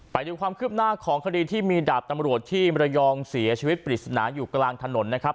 ไปดูความคืบหน้าของคดีที่มีดาบตำรวจที่มรยองเสียชีวิตปริศนาอยู่กลางถนนนะครับ